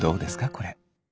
これ。